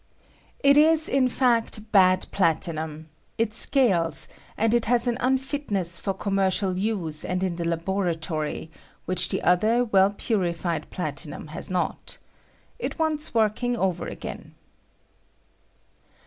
It is, in fact, bad platinum; it scales, and it has an unfitness for commercial use and in the ^^ laboratoiy, which the other weU purified plati ^^L aum has not. It wants working over again.